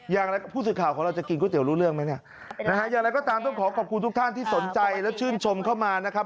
ผู้สื่อข่าวของเราจะกินก๋วเตี๋รู้เรื่องไหมเนี่ยนะฮะอย่างไรก็ตามต้องขอขอบคุณทุกท่านที่สนใจและชื่นชมเข้ามานะครับ